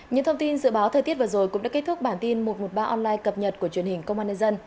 những thông tin dự báo thời tiết vừa rồi cũng đã kết thúc bản tin một trăm một mươi ba online cập nhật của truyền hình công an nhân dân